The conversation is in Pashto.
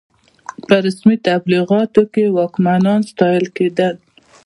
په رسمي تبلیغاتو کې واکمنان ستایل کېدل.